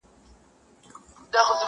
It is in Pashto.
نه به ډزي وي، نه لاس د چا په وینو.!